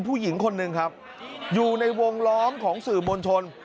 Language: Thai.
ผู้หญิงคนหนึ่งครับอยู่ในวงล้อมของสื่อมวลชน